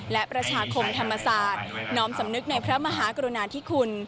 และประชาคมธรรมศาสตร์น้อมสำนึกในพระมหากรุณาธิคุณ